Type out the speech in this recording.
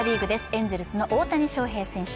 エンゼルスの大谷翔平選手。